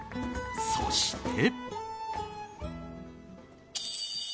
そして。